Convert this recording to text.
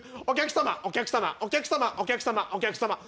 「お客様」「お客様」「お客様」「お客様」「お客様」。